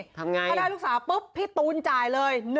ทำไงพอได้ลูกสาวปุ๊บพี่ตูนจ่ายเลย